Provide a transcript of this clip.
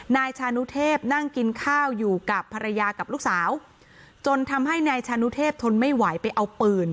นายชานุเทพนั่งกินข้าวอยู่กับภรรยากับลูกสาวจนทำให้นายชานุเทพทนไม่ไหวไปเอาปืน